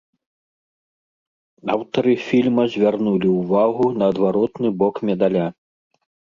Аўтары фільма звярнулі ўвагу на адваротны бок медаля.